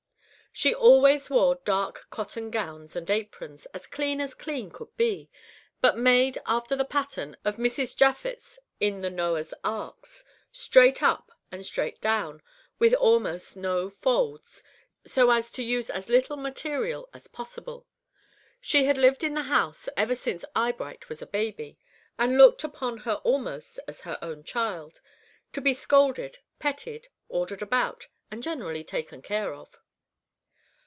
She always wore dark cotton gowns and aprons, as clean as clean could be, but made after the pattern of Mrs. Japhet's in the Noah's arks, straight up and straight down, with almost no folds, so as to use as little material as possible. She had lived in the house ever since Eyebright was a baby, and looked upon her almost as her own child, to be scolded, petted, ordered about, and generally taken care of.